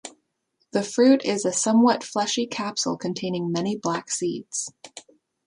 The fruit is a somewhat fleshy capsule containing many black seeds.